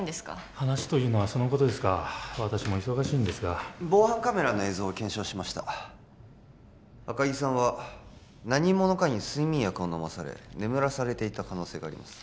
話とはそのことですか私も忙しいんですが防犯カメラの映像を検証しました赤木さんは何者かに睡眠薬を飲まされ眠らされていた可能性があります